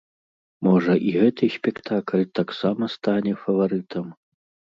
Можа, і гэты спектакль таксама стане фаварытам.